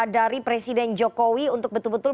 dari presiden jokowi untuk betul betul